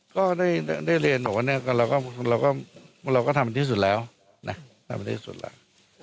ก็ได้เรียนบอกว่าเนี่ยเราก็ทำที่สุดแล้วนะทำดีที่สุดแล้ว